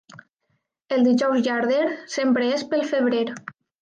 El Dijous Llarder sempre és pel febrer.